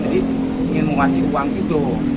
jadi ingin menguasai uang itu